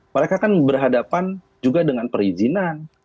mereka kan berhadapan juga dengan perizinan